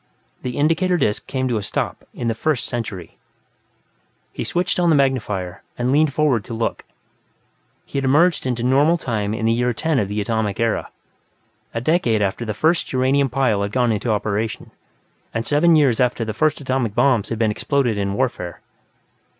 The indicator disc came to a stop, in the First Century. He switched on the magnifier and leaned forward to look; he had emerged into normal time in the year 10 of the Atomic Era, a decade after the first uranium pile had gone into operation, and seven years after the first atomic bombs had been exploded in warfare.